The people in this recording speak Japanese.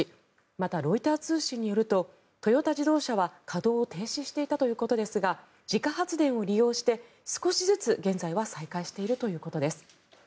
また、ロイター通信によるとトヨタ自動車は稼働を停止していたということですが自家発電を利用して少しずつ、現在は再開しているということです。